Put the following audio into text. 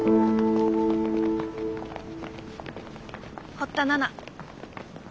堀田奈々。